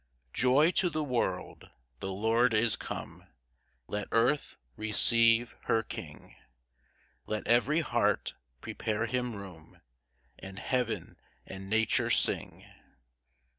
1 Joy to the world; the Lord is come; Let earth receive her King; Let every heart prepare him room, And heaven and nature sing.